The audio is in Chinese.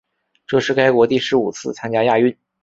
这是该国第十五次参加亚运。